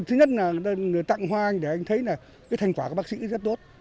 thứ nhất là người tặng hoa anh để anh thấy là cái thành quả của bác sĩ rất tốt